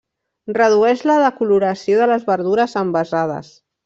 Redueix la decoloració de les verdures envasades.